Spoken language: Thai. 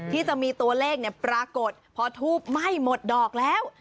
ที่จะมีตัวเลขปรากฏพอทูบไหม้หมดดอกแล้ว